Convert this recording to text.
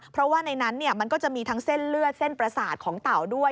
เพราะว่าในนั้นมันก็จะมีทั้งเส้นเลือดเส้นประสาทของเต่าด้วย